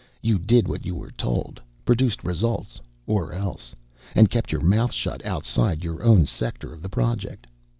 You did what you were told, produced results or else, and kept your mouth shut outside your own sector of the Project.